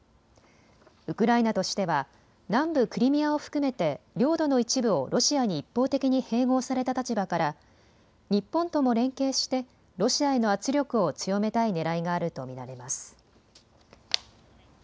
ウクライナとしては南部クリミアを含めて領土の一部をロシアに一方的に併合された立場から日本とも連携してロシアへの圧力を強めたいねらいがあると見られます。